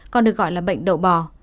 còn được gọi là bệnh độ bò